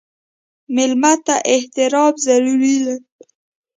مېلمه ته احترام ضروري دی.